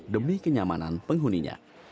demi kenyamanan penghuninya